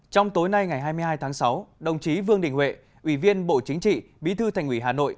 trong tối nay ngày hai mươi hai tháng sáu đồng chí vương đình huệ ủy viên bộ chính trị bí thư thành ủy hà nội